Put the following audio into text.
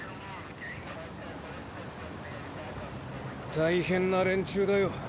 大変な連中だよ。